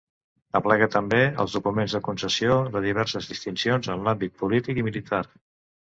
Aplega també els documents de concessió de diverses distincions en l'àmbit polític i militar.